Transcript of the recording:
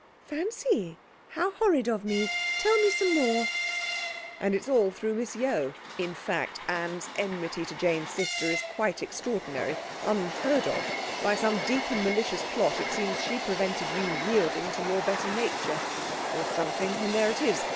'Fancy! How horrid of me! Tell me some more.' 'And it's all through Miss Yeo. In fact, Anne's enmity to Jane's sister is quite extraordinary unheard of. By some deep and malicious plot it seems she prevented you yielding to your better nature or something and there it is.